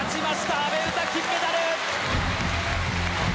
阿部詩、金メダル！